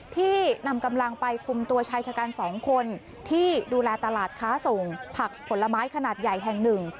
ที่นำกำลังไปคุมตัวชายชะกันสองคนที่ดูแลตลาดค้าส่งผักผลไม้ขนาดใหญ่แห่งหนึ่ง